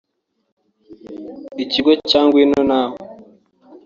Ikigo cya Ngwino Nawe